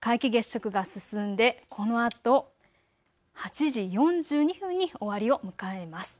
皆既月食が進んでこのあと８時４２分に終わりを迎えます。